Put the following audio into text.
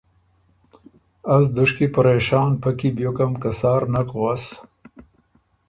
از دُشکي پرېشان پۀ کی بیوکم که سار نک غؤس